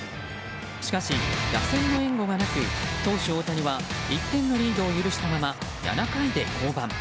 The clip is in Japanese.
しかし、打線の援護がなく投手・大谷は１点のリードを許したまま７回で降板。